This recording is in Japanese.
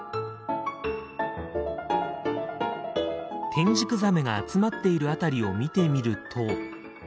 テンジクザメが集まっている辺りを見てみると。